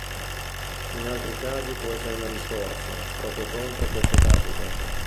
In altri casi può essere una risorsa proprio contro queste tattiche.